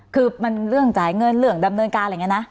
คือมันเรื่องจ่ายเงินเรื่องดำเนินการอะไรอย่างนี้นะ